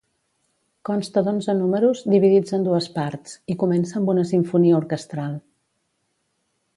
Consta d'onze números, dividits en dues parts, i comença amb una simfonia orquestral.